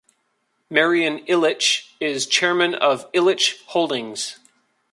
Marian Ilitch is Chairman of Ilitch Holdings.